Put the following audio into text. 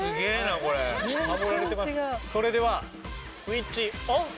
それではスイッチオフ！